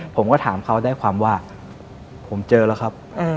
ผมก็ถามเขาได้ความว่าผมเจอแล้วครับ